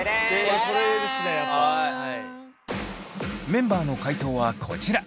メンバーの解答はこちら。